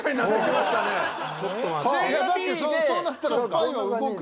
だってそうなったら。